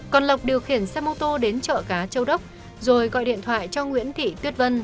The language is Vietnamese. còn lộc điều khiển xe mô tô đến chợ cá châu đốc rồi gọi điện thoại cho nguyễn thị tuyết vân